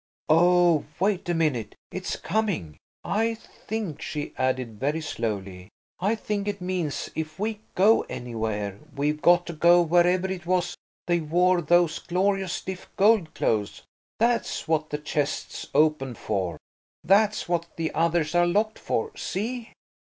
Oh, wait a minute; it's coming. I think," she added very slowly,–"I think it means if we go anywhere we've got to go wherever it was they wore those glorious stiff gold clothes. That's what the chest's open for; that's what the others are locked for. See?"